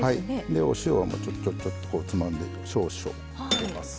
でお塩もちょっちょっちょっとこうつまんで少々入れます。